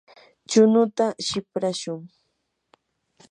chunuta siprashun.